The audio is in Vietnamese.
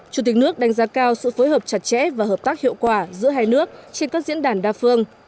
chủ tịch nước đánh giá cao sự phối hợp chặt chẽ và hợp tác hiệu quả giữa hai nước trên các diễn đàn đa phương